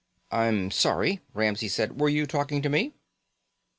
"I'm sorry," Ramsey said. "Were you talking to me?"